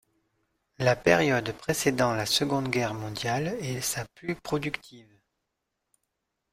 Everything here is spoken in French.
La période précédant la seconde guerre mondiale est sa plus productive.